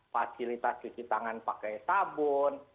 fasilitas cuci tangan pakai sabun